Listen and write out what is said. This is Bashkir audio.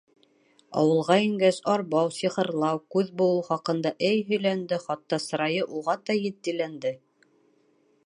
Ауылға ингәс, арбау, сихырлау, күҙ быуыу хаҡында, эй, һөйләнде, хатта сырайы уғата етдиләнде.